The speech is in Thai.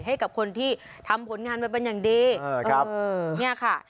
ให้กับคนที่ทำผลงานมาเป็นอย่างดีเนี่ยค่ะ